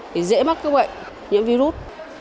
thì dễ mất cái bệnh nhiễm virus